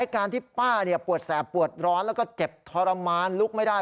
การที่ป้าปวดแสบปวดร้อนแล้วก็เจ็บทรมานลุกไม่ได้